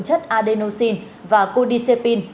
chất adenosine và codisepine